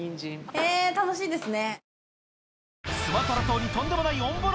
え楽しいですね。